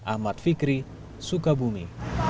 ahmad fikri sukabumi